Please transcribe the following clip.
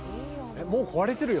もう壊れてるよ。